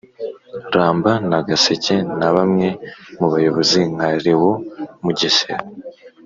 Ramba na gaseke na bamwe mu bayobozi nka lewo mugesera